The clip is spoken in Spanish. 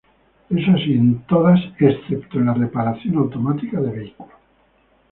Esto es así en todas excepto en la reparación automática de vehículo.